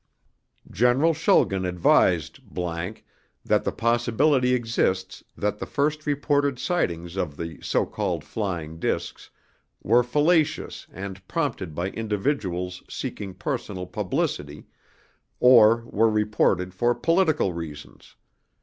General Schulgen advised ____ that the possibility exists that the first reported sightings of the so called flying disks were fallacious and prompted by individuals seeking personal publicity, or were reported for political reasons.